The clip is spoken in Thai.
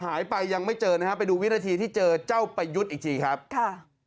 หายไปยังไม่เจอนะฮะไปดูวินาทีที่เจอเจ้าประยุทธ์อีกทีครับค่ะ